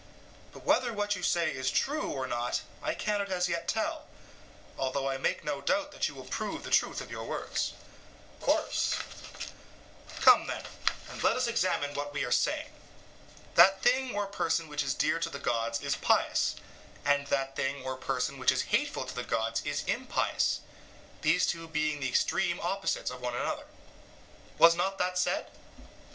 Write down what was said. But whether what you say is true or not I cannot as yet tell, although I make no doubt that you will prove the truth of your words. EUTHYPHRO: Of course. SOCRATES: Come, then, and let us examine what we are saying. That thing or person which is dear to the gods is pious, and that thing or person which is hateful to the gods is impious, these two being the extreme opposites of one another. Was not that said?